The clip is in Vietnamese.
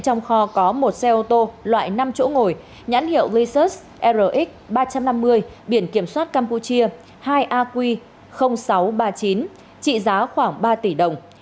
trong kho có một xe ô tô loại năm chỗ ngồi nhãn hiệu recess rx ba trăm năm mươi biển kiểm soát campuchia hai aq sáu trăm ba mươi chín trị giá khoảng ba tỷ đồng